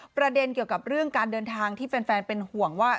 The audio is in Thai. ประเด็นเกี่ยวกับเรื่องการเดินทางที่แฟนเป็นห่วงว่า